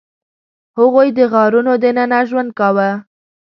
هغوی د غارونو دننه ژوند کاوه.